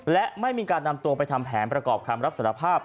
และไม่มีการนำตัวไปทำแผนประกอบคำรับสารภาพ